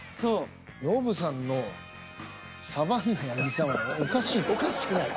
ノブさんのサバンナ八木さんはおかしい。